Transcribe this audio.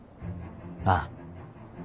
ああ。